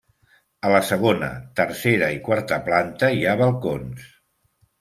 A la segona, tercera i quarta planta hi ha balcons.